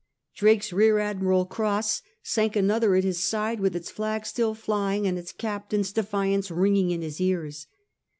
Drake's rear admiral. Cross, sank another at his side with its flag still flying and its captain's defiance ringing in his ears.